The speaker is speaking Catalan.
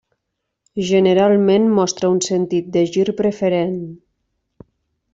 Generalment mostra un sentit de gir preferent.